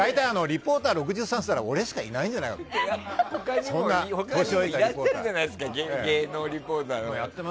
リポーターで６３歳って俺しかいないんじゃないのかなって思って。